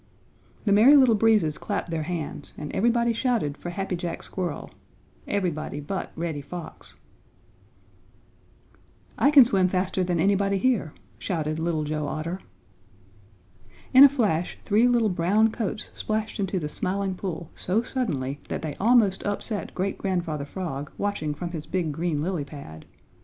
The Merry Little Breezes clapped their hands and everybody shouted for Happy Jack Squirrel, everybody but Reddy Fox. "I can swim faster than anybody here," shouted Little Joe Otter. In a flash three little brown coats splashed into the Smiling Pool so suddenly that they almost upset Great Grandfather Frog watching from his big green lily pad.